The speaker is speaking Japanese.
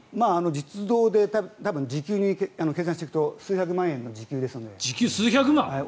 実働で多分、時給で計算すると数百万円の時給ですので。